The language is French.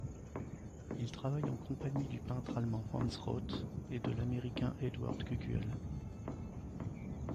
Il travaille en compagnie du peintre allemand Hans Roth et de l’américain Edward Cucuel.